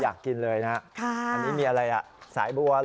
อยากกินเลยนะอันนี้มีอะไรอ่ะสายบัวเหรอ